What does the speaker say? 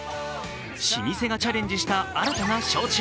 老舗がチャレンジした新たな焼酎。